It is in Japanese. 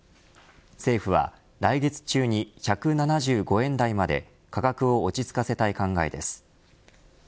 政府は、来月中に１７５円台まで価格を落ち着かせたい考えです。